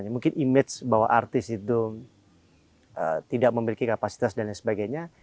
mungkin image bahwa artis itu tidak memiliki kapasitas dan lain sebagainya